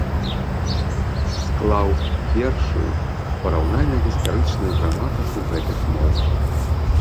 Склаў першую параўнальна-гістарычную граматыку гэтых моў.